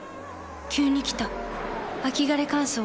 急に来た秋枯れ乾燥。